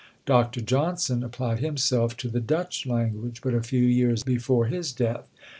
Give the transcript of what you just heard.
Dr. Johnson applied himself to the Dutch language but a few years before his death.